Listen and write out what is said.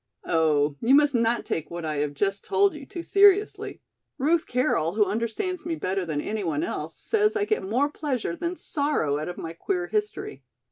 "Oh, you must not take what I have just told you too seriously. Ruth Carroll, who understands me better than any one else, says I get more pleasure than sorrow out of my queer history.